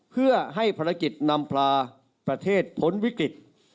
เพื่อให้ภารกิจนำพาประเทศพ้นวิกฤต